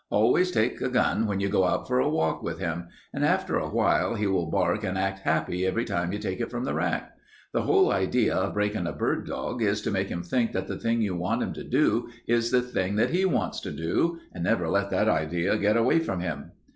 Always take a gun when you go out for a walk with him, and after awhile he will bark and act happy every time you take it from the rack. The whole idea of breakin' a bird dog is to make him think that the thing you want him to do is the thing he wants to do, and never let that idea get away from him."